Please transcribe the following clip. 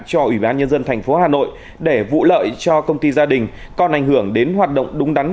cho ủy ban nhân dân thành phố hà nội để vụ lợi cho công ty gia đình còn ảnh hưởng đến hoạt động đúng đắn